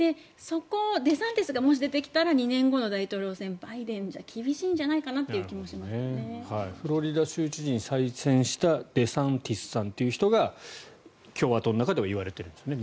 デサンティスが出てきたら２年後の大統領選はバイデンだとフロリダ州知事に再選したデサンティスさんという人が共和党の中ではいわれているんですね。